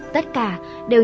tất cả đều